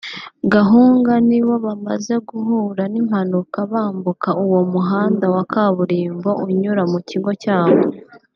Gahunga nibo bamaze guhura n’impanuka bambuka uwo muhanda wa kaburimbo unyura mu kigo cyabo